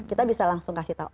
kita bisa langsung kasih tahu